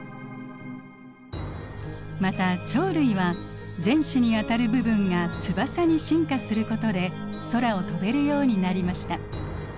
また鳥類は前肢にあたる部分が翼に進化することで空を飛べるようになりました。